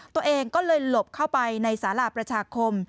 ตัวเองก็เลยหลบเข้าไปในสาราประชาคม